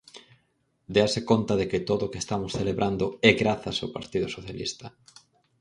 Déase conta de que todo o que estamos celebrando é grazas ao Partido Socialista.